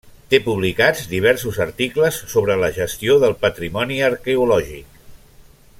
Té publicats diversos articles sobre la gestió del patrimoni arqueològic.